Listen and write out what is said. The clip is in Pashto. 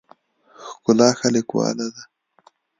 ښکلا ښه لیکواله ده.